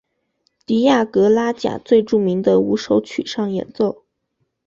蒂亚格拉贾最著名的五首曲上演奏。